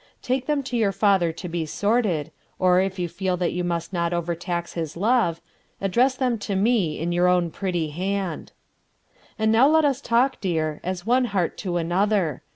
Take them to your father to be sorted, or, if you feel that you must not overtax his love, address them to me in your own pretty hand. "And now let us talk, dear, as one heart to another.